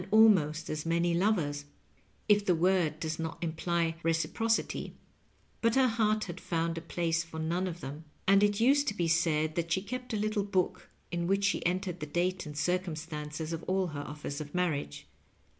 213 almost as many lovers, if the word does not imply reci« procity; but her heart had found a place for none of them, and it used to be said that die kept a little book in which she entered the date and circumstances of all her offers of marriage.